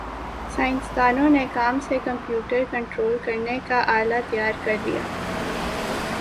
سائنسدانوں نے کام سے کمپیوٹر کنٹرول کرنے کا آلہ تیار کرلیا